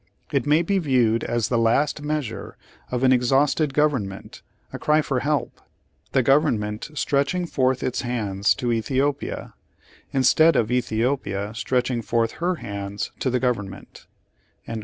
It may be viewed as the last measure of an exhausted government, a cry for help; the government stretching forth its hands to Ethiopia, instead of Ethiopia stretching forth her hands to the gov ernment.'